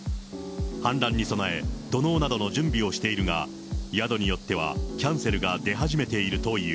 氾濫に備え、土のうなどの準備をしているが、宿によってはキャンセルが出始めているという。